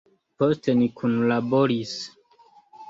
Poste ni kunlaboris.